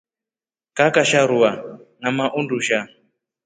Kakasha rua ngamaa undusha.